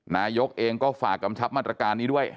นายกเองก็ฝากกำชับมาตรการนี้ด้วย